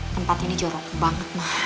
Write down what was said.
tempat ini jorok banget